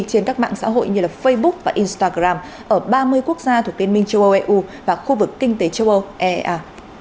trên các mạng xã hội như facebook và instagram ở ba mươi quốc gia thuộc tiên minh châu âu eu và khu vực kinh tế châu âu ea